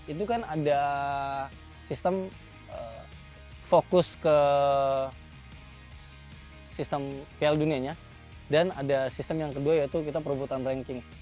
itu kan ada sistem fokus ke sistem piala dunianya dan ada sistem yang kedua yaitu kita perebutan ranking